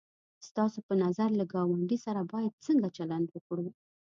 ستاسو په نظر له گاونډي سره باید څنگه چلند وکړو؟